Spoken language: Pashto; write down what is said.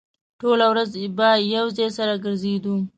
ټوله ورځ به يو ځای سره ګرځېدو.